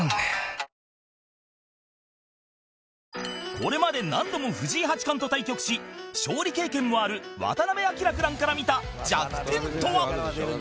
これまで何度も藤井八冠と対局し勝利経験もある渡辺明九段から見た弱点とは？